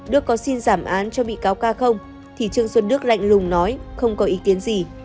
đức có xin giảm án cho bị cáo ca không thì trương xuân đức lạnh lùng nói không có ý kiến gì